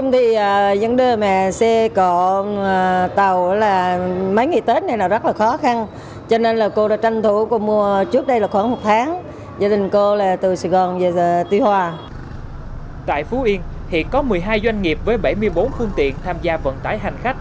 tại phú yên hiện có một mươi hai doanh nghiệp với bảy mươi bốn phương tiện tham gia vận tải hành khách